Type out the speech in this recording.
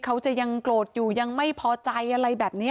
เขาจะยังโกรธอยู่ยังไม่พอใจอะไรแบบนี้